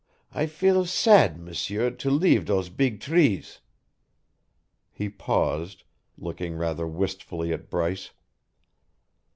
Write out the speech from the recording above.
I feel sad, M'sieur, to leave dose beeg trees." He paused, looking rather wistfully at Bryce.